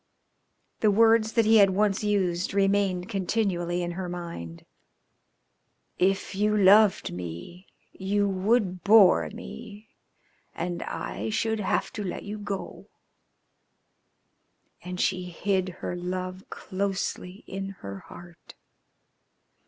The words that he had once used remained continually in her mind: "If you loved me you would bore me, and I should have to let you go." And she hid her love closely in her heart.